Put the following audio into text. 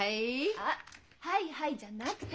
あっ「はいはい」じゃなくて！